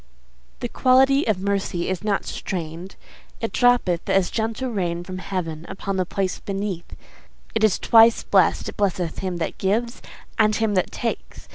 The quality of mercy is not strain'd; It droppeth as the gentle rain from heaven Upon the place beneath. It is twice blest: It blesseth him that gives and him that takes.